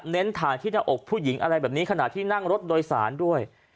ถ่ายที่หน้าอกผู้หญิงอะไรแบบนี้ขณะที่นั่งรถโดยสารด้วย